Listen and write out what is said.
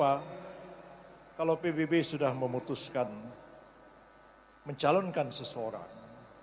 saya kira kalau pbb sudah memutuskan mencalonkan seseorang